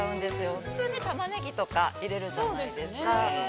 普通、タマネギとか入れるじゃないですか。